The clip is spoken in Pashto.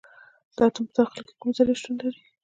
د اتوم په داخل کې کومې ذرې شتون لري.